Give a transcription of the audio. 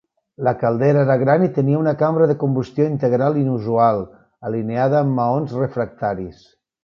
La caldera era gran i tenia una cambra de combustió integral inusual, alineada amb maons refractaris.